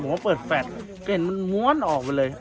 ผมก็เปิดแฟสเห็นมันม้วนออกไปเลย